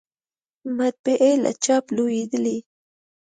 مطبعې له چاپ لویدلې